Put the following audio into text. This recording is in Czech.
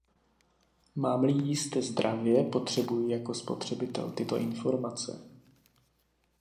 Mám-li jíst zdravě, potřebuji jako spotřebitel tyto informace.